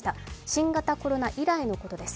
新型コロナ以来のことです。